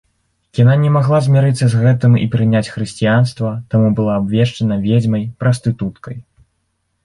Яна не магла змірыцца з гэтым і прыняць хрысціянства, таму была абвешчана ведзьмай, прастытуткай.